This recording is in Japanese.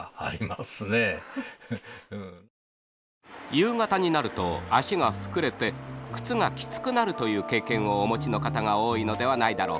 夕方になると足が膨れて靴がきつくなるという経験をお持ちの方が多いのではないだろうか。